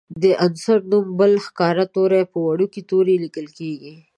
د عنصر د نوم بل ښکاره توری په وړوکي توري لیکل کیږي.